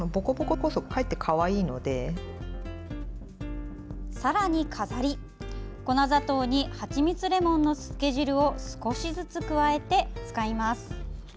粉砂糖にはちみつレモンのつけ汁を少しずつ加えて使います。